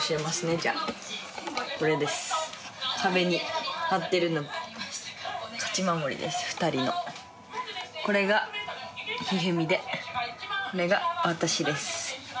じゃあこれです壁に貼ってるの勝ち守りです２人のこれが一二三でこれが私です